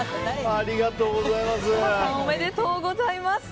おめでとうございます。